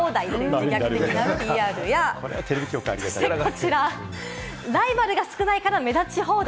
そしてこちら、ライバルが少ないから目立ち放題！